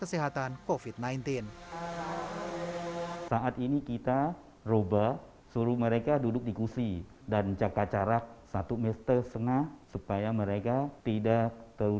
sebagian besar vihara vihara khusus yang berada di bawah naungan perwakilan umat buddha indonesia atau walubi